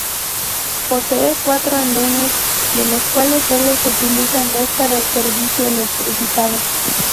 Posee cuatro andenes, de los cuales solo se utilizan dos para el servicio electrificado.